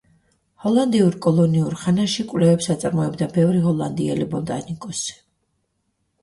ჰოლანდიურ კოლონიურ ხანაში კვლევებს აწარმოებდა ბევრი ჰოლანდიელი ბოტანიკოსი.